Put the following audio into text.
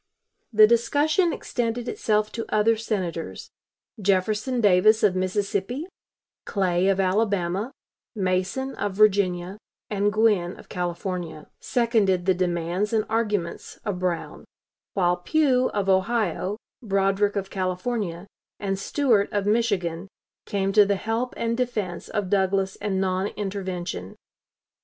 The discussion extended itself to other Senators; Jefferson Davis, of Mississippi, Clay, of Alabama, Mason, of Virginia, and Gwin, of California, seconded the demands and arguments of Brown; while Pugh, of Ohio, Broderick, of California, and Stuart, of Michigan, came to the help and defense of Douglas and non intervention.